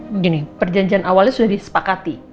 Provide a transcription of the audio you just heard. begini perjanjian awalnya sudah disepakati